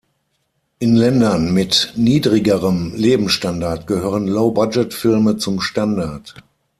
In Ländern mit niedrigerem Lebensstandard gehören Low-Budget-Filme zum Standard.